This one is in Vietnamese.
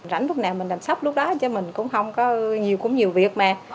rảnh lúc nào mình làm sắp lúc đó chứ mình cũng không có nhiều việc mà